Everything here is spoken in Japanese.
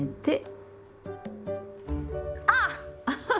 あっ！